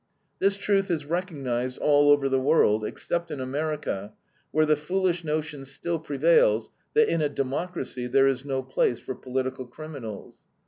This truth is recognized all over the world, except in America where the foolish notion still prevails that in a Democracy there is no place for political criminals.